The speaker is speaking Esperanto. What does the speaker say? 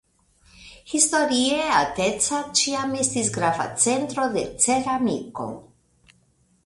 Historie Ateca ĉiam estis grava centro de ceramiko.